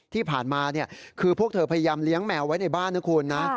ที่ผ่านมาคือพวกเธอพยายามเลี้ยงแมวไว้ในบ้านนะคุณนะ